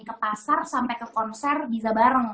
ke pasar sampai ke konser bisa bareng